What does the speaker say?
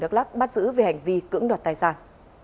đắk lắc bắt giữ về hành vi cưỡng đoạt tài sản